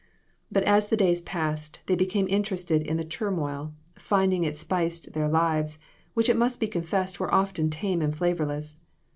But as the days passed, they became interested in the turmoil, finding it spiced their lives, which it must be confessed were often tame and flavorless.